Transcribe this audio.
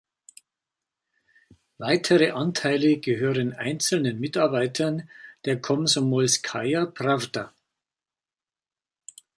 Weitere Anteile gehören einzelnen Mitarbeitern der Komsomolskaja Prawda.